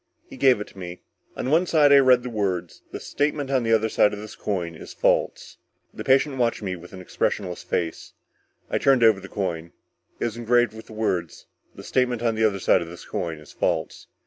He gave it to me. On one side I read the words: THE STATEMENT ON THE OTHER SIDE OF THIS COIN IS FALSE. The patient watched me with an expressionless face; I turned over the coin. It was engraved with the words: THE STATEMENT ON THE OTHER SIDE OF THIS COIN IS FALSE.